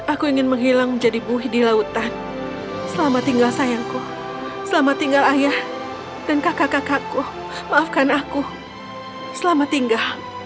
aku ingin menghilang menjadi buhi di lautan selamat tinggal sayangku selamat tinggal ayah dan kakak kakakku maafkan aku selamat tinggal